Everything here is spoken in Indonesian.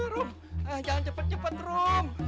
rum jangan cepet cepet rum